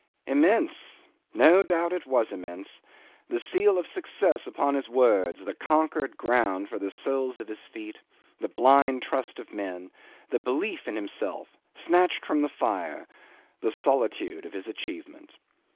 'Immense! No doubt it was immense; the seal of success upon his words, the conquered ground for the soles of his feet, the blind trust of men, the belief in himself snatched from the fire, the solitude of his achievement.